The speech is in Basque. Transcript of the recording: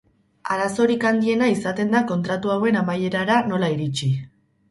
Arazorik handiena izaten da kontratu hauen amaierara nola iritsi.